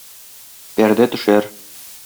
Пәрдә төшәр.